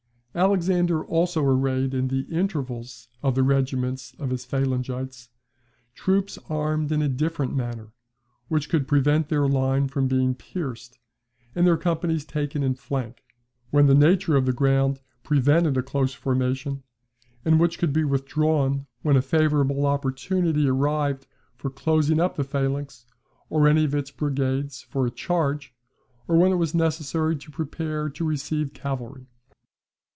Alexander also arrayed in the intervals of the regiments of his phalangites, troops armed in a different manner, which could prevent their line from being pierced, and their companies taken in flank, when the nature of the ground prevented a close formation; and which could be withdrawn, when a favourable opportunity arrived for closing up the phalanx or any of its brigades for a charge, or when it was necessary to prepare to receive cavalry.